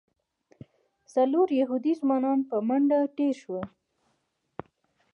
څلور یهودي ځوانان په منډه تېر شول.